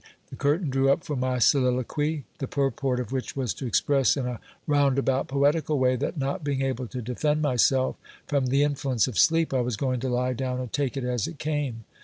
The cur tain drew up for my soliloquy ; the purport of which was to express, in a round about, poetical way, that not being able to defend myself from the influence of sleep, I was going to lie down and take it as it came.